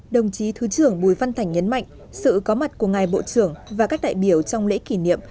đồng chí thứ trưởng bùi văn thành nhấn mạnh sự có mặt của ngài bộ trưởng và các đại biểu trong lễ kỷ niệm